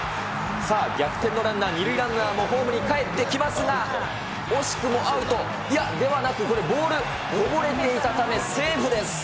さあ、逆転のランナー、２塁ランナーもホームにかえってきますが、惜しくもアウト、いや、ではなく、これ、ボール、こぼれていたため、セーフです。